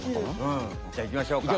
うんじゃあいきましょうか。